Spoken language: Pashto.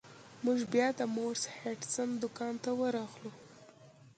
موږ بیا د مورس هډسن دکان ته ورغلو.